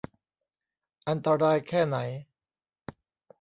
อันตรายแค่ไหน